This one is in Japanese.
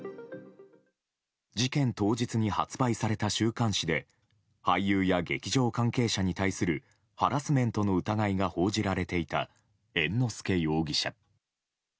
事件当日に発売された週刊誌で俳優や劇場関係者に対するハラスメントの疑いが報じられていた猿之助容疑者。